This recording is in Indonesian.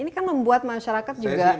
ini kan membuat masyarakat juga